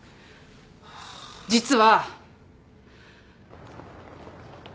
実は。